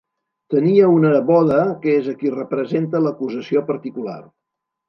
Tenia una neboda que és a qui representa l'acusació particular.